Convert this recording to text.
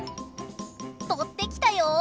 取ってきたよ！